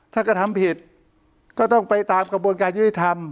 ถ้ากระทำผิดก็ต้องไปตามกระบวนการยุติธรรม